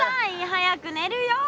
早くねるよ！